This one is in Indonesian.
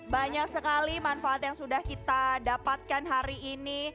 banyak sekali manfaat yang sudah kita dapatkan hari ini